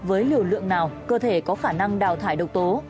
với liều lượng nào cơ thể có khả năng đào thải độc tố